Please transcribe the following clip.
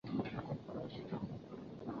台湾中文版几乎由东立出版社进行代理。